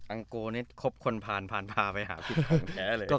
อังโกวันเนี่ยคบคนผ่านหาผิดภัณฑ์แก๊เลย